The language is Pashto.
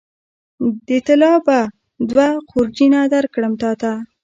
د طلا به دوه خورجینه درکړم تاته